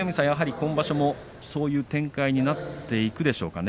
今場所もそういう展開になっていくでしょうかね。